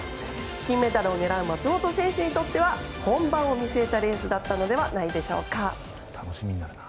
金メダルを狙う松元選手にとっては本番を見据えたレースだったのではないでしょうか。